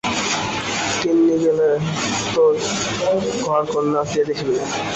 তিন্নি গেলে তোর ঘরকন্না কে দেখিবে।